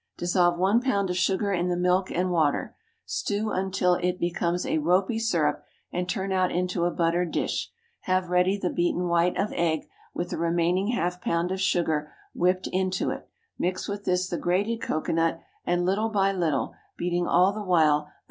Dissolve one pound of sugar in the milk and water. Stew until it becomes a "ropy" syrup, and turn out into a buttered dish. Have ready the beaten white of egg, with the remaining half pound of sugar whipped into it; mix with this the grated cocoanut, and little by little—beating all the while—the boiled syrup, so soon as it cools sufficiently not to scald the eggs.